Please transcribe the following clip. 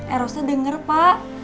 erosnya denger pak